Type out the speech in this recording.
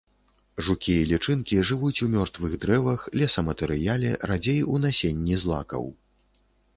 Жукі і лічынкі жывуць у мёртвых дрэвах, лесаматэрыяле, радзей у насенні злакаў.